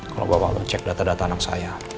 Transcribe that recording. kalau bapak mau cek data data anak saya